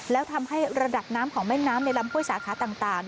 แล้วทำให้ระดับน้ำของแม่น้ำในลำห้วยสาขาต่าง